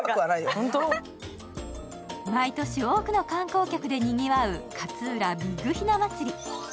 毎年、多くの観光客で賑わうかつうらビッグひな祭り。